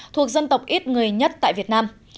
thuộc dân tộc ít người nhất tại việt nam